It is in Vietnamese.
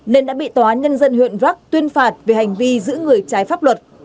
nên đã bị tòa án nhân dân huyện rắc tuyên phạt về hành vi giữ người trái pháp luật